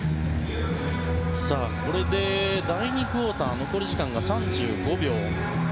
これで第２クオーター残り時間が３５秒。